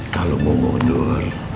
kalau mau mundur